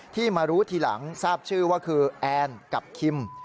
มารู้ทีหลังทราบชื่อว่าคือแอนกับคิม